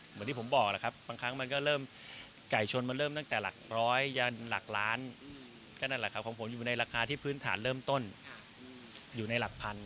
เหมือนที่ผมบอกแหละครับบางครั้งมันก็เริ่มไก่ชนมันเริ่มตั้งแต่หลักร้อยยันหลักล้านก็นั่นแหละครับของผมอยู่ในราคาที่พื้นฐานเริ่มต้นอยู่ในหลักพัน